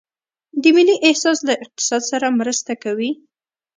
د ملي احساس له اقتصاد سره مرسته کوي؟